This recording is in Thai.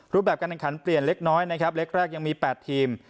รูปแบบการแข่งขันเปลี่ยนเล็กน้อยนะครับเล็กแรกยังมี๘ทีม